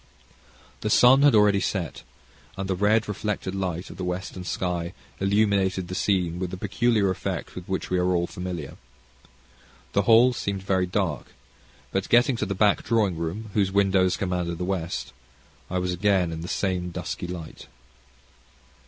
The sun had already set, and the red reflected light of the western sky illuminated the scene with the peculiar effect with which we are all familiar. The hall seemed very dark, but, getting to the back drawing room, whose windows command the west, I was again in the same dusky light.